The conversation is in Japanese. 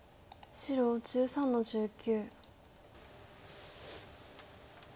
白１２の十九。